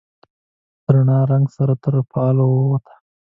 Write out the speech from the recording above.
د رڼا، رنګ سره تر فال ووته